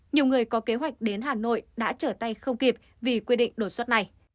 nhiều người có kế hoạch đến hà nội đã trở tay không kịp vì quy định đột xuất này